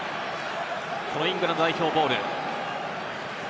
そのイングランド代表ボール。